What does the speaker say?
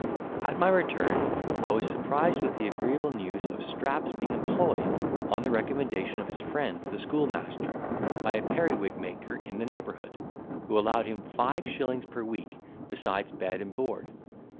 At my return, I was surprised with the agreeable news of Strap's being employed, on the recommendation of his friend, the schoolmaster, by a periwig maker in the neighbourhood, who allowed him five shillings per week besides bed and board.